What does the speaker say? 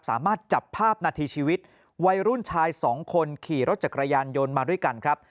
สามารถจับภาพนาทีชีวิตวัยรุ่นชายสองคนขี่รถจักรยานยนต์มาด้วยกันครับ